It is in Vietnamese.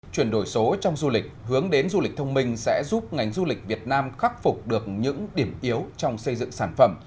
chuyển đổi số trong du lịch hướng đến du lịch thông minh sẽ giúp ngành du lịch việt nam khắc phục được những điểm yếu trong xây dựng sản phẩm